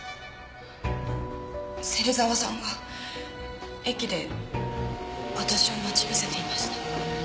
芹沢さんが駅で私を待ち伏せていました。